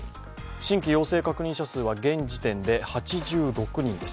新規陽性確認者数は現時点で８６人です。